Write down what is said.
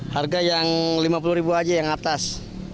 harga yang rp lima puluh ribu aja yang atas